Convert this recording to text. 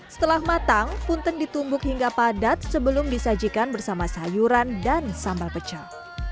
setelah matang punten ditumbuk hingga padat sebelum disajikan bersama sayuran dan sambal pecel